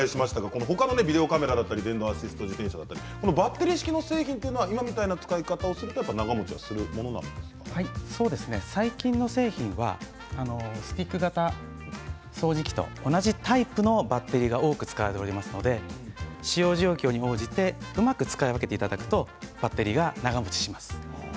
このビデオカメラだったり電動アシスト自転車だったろりバッテリーの製品、同じような使い方をすれば最近の製品はスティック型掃除機と同じタイプのバッテリーが多く使われていますので使用状況に応じてうまく使い分けていただくとバッテリーが長もちします。